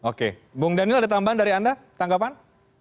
oke bung daniel ada tambahan dari anda tanggapan